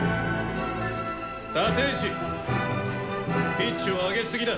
ピッチを上げすぎだ！